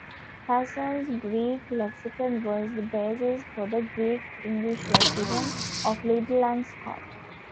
Passow's Greek lexicon was the basis for the "Greek-English Lexicon" of Liddell and Scott.